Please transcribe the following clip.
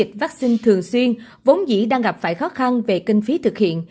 với việc vắc xin thường xuyên vốn dĩ đang gặp phải khó khăn về kinh phí thực hiện